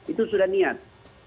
itu sudah niat